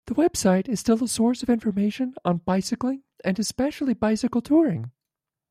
His website is still a source of information on bicycling and especially bicycle touring.